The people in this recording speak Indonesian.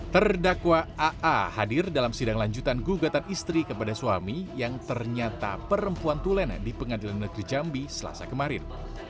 terdakwa aa hadir dalam sidang lanjutan gugatan istri kepada suami yang ternyata perempuan tulena di pengadilan negeri jambi selasa kemarin